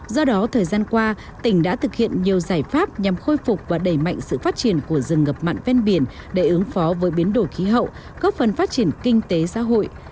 do đó thời gian qua tỉnh đã thực hiện nhiều giải pháp nhằm khôi phục và đẩy mạnh sự phát triển của rừng ngập mặn ven biển để ứng phó với biến đổi khí hậu góp phần phát triển kinh tế xã hội